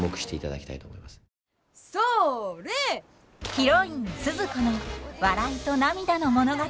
ヒロインスズ子の笑いと涙の物語。